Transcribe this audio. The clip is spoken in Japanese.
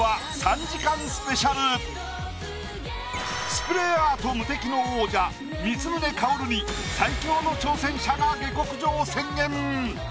スプレーアート無敵の王者光宗薫に最強の挑戦者が下克上を宣言！